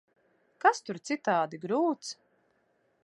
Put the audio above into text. Kas tur citādi grūts?